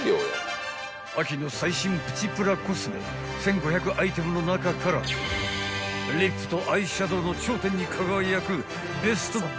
［秋の最新プチプラコスメ１，５００アイテムの中からリップとアイシャドウの頂点に輝くベストバイは何なのか？］